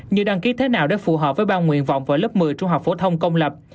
như đăng ký thế nào để phù hợp với bao nguyện vọng vào lớp một mươi trung học phổ thông công lập